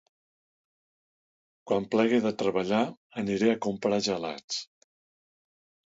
Quan plegui de treballar aniré a comprar gelats